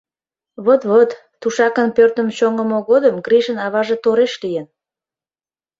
— Вот-вот, тушакын пӧртым чоҥымо годым Гришын аваже тореш лийын.